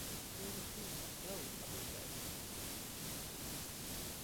There's no doubt about that.